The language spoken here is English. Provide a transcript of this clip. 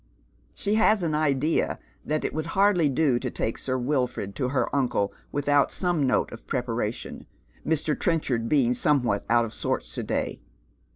She has an idea that it would hardly do to tal* Sir Wilford to her vmcle without some note of preparation, Mr. Trenchard beiug somewhat out of sorts to day.